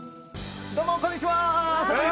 どうもこんにちは！